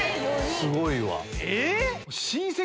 ⁉すごいわ。